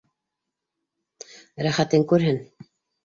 Рәхәтен күрһен.